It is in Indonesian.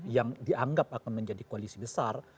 yang dianggap akan menjadi koalisi besar